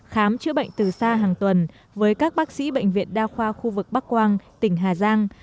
khám chữa bệnh từ xa hàng tuần với các bác sĩ bệnh viện đa khoa khu vực bắc quang tỉnh hà giang